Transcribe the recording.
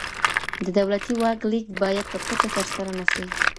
د دولتي واک لېږد بايد په پټه ترسره نسي.